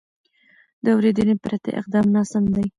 د اورېدنې پرته اقدام ناسم دی.